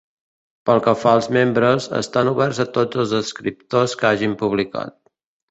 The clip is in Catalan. Pel que fa als membres, estan oberts a tots els escriptors que hagin publicat.